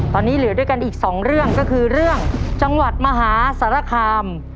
ตอนนี้เหลือด้วยกันอีกสองเรื่องก็คือเรื่องจังหวัดมหาสารคาม